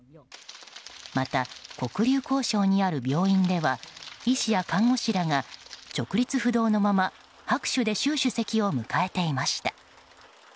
また黒竜江省にある病院では医師や看護師らが直立不動のまま拍手で習主席を迎えていました。